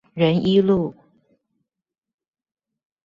仁一路